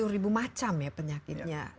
sepuluh ribu macam ya penyakitnya